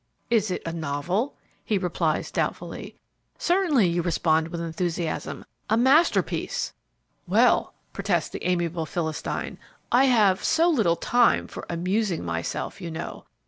"It is a novel?" He replies doubtfully: "Certainly," you respond with enthusiasm. "A masterpiece." "Well," protests the amiable Philistine, "I have so little time for amusing myself, you know.